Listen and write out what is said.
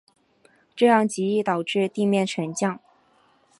这样极易导致地面沉降。